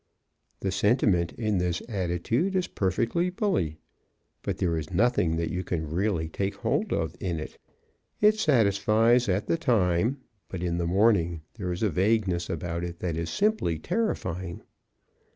'" The sentiment in this attitude is perfectly bully, but there is nothing that you can really take hold of in it. It satisfies at the time, but in the morning there is a vagueness about it that is simply terrifying.